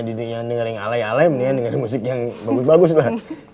dia dengerin yang alay alay mendingan dengerin musik yang bagus bagus lah